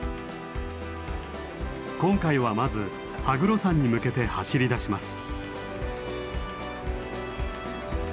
今回はまず羽黒山に向けて走りだします。